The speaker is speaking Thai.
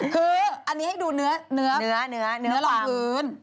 คืออันนี้ให้ดูเนื้อเนื้อรองพื้น